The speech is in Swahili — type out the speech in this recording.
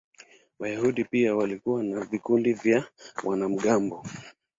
Wayahudi pia walikuwa na vikundi vya wanamgambo.